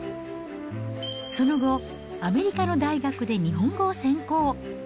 その後、アメリカの大学で日本語を専攻。